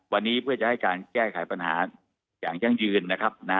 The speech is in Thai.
วันนี้เพื่อให้การแก้ไขปัญหาอย่างยั่งยืน